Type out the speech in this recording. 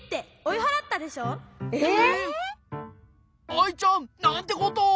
アイちゃんなんてことを！